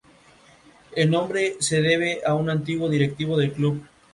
El nombre se debe a un antiguo directivo del club.